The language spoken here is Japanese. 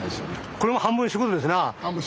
これも半分仕事ですな。